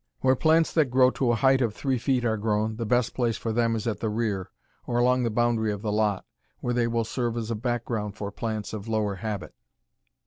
Where plants that grow to a height of three feet are grown, the best place for them is at the rear, or along the boundary of the lot, where they will serve as a background for plants of lower habit.